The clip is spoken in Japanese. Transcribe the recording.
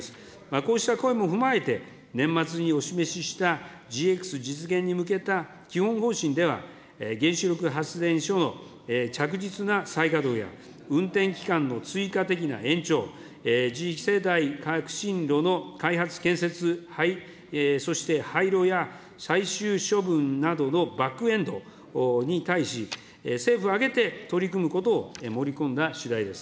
こうした声も踏まえて、年末にお示ししたＧＸ実現に向けた基本方針では、原子力発電所の着実な再稼働や、運転期間の追加的な延長、次世代革新炉の開発建設そして廃炉や最終処分などのバックエンドに対し、政府を挙げて取り組むことを盛り込んだしだいです。